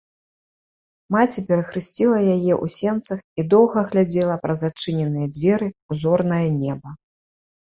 Маці перахрысціла яе ў сенцах і доўга глядзела праз адчыненыя дзверы ў зорнае неба.